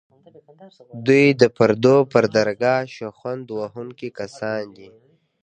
دوی د پردو پر درګاه شخوند وهونکي کسان دي.